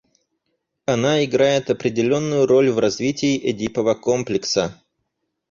Она играет определенную роль в развитии Эдипова комплекса.